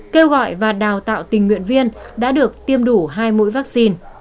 kêu gọi và đào tạo tình nguyện viên đã được tiêm đủ hai mũi vaccine